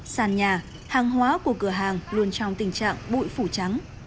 sàn nhà hàng hóa của cửa hàng luôn trong tình trạng bụi phủ trắng